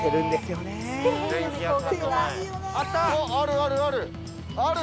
あるあるある！